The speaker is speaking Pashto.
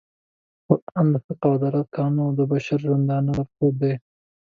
قرآن د حق او عدالت قانون او د بشر د ژوندانه لارښود دی